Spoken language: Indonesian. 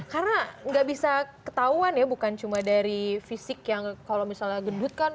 karena gak bisa ketahuan ya bukan cuma dari fisik yang kalau misalnya gendut kan